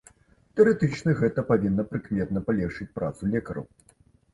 Тэарэтычна, гэта павінна прыкметна палегчыць працу лекараў.